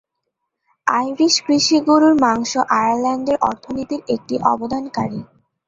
Irish কৃষি গরুর মাংস আয়ারল্যান্ডের অর্থনীতির একটি অবদানকারী।